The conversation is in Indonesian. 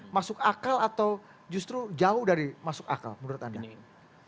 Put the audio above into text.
masuk akal atau justru jauh dari masuk akal menurut anda